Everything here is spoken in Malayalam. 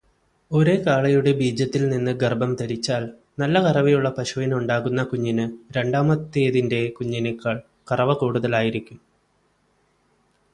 ഒരേ കാളയുടെ ബീജത്തിൽ നിന്ന് ഗർഭം ധരിച്ചാൽ നല്ല കറവയുള്ള പശുവിനുണ്ടാകുന്ന കുഞ്ഞിനു രണ്ടാമത്തേതിന്റെ കുഞ്ഞിനേക്കാൾ കറവകൂടുതൽ ആയിരിക്കും.